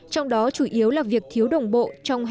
trong đó chủ yếu là việc thiếu đồng bộ trong hệ thống văn bản